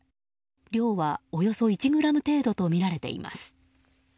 量は、およそ１ｇ程度とみられています。